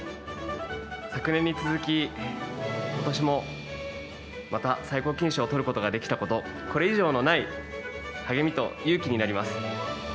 昨年に続き、ことしもまた、最高金賞をとることができたこと、これ以上のない励みと勇気になります。